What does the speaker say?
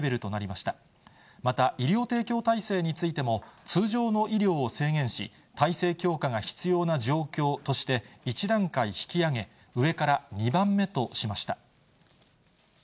また、医療提供体制についても、通常の医療を制限し、体制強化が必要な状況として、１段階引き上げ、上から２番目としました。